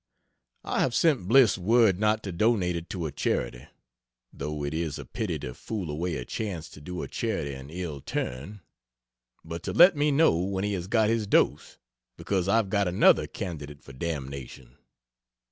I have sent Bliss word not to donate it to a charity (though it is a pity to fool away a chance to do a charity an ill turn,) but to let me know when he has got his dose, because I've got another candidate for damnation.